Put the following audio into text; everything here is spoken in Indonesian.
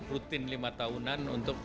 rutin lima tahunan untuk